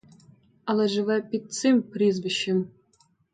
Але живе під цим прізвищем.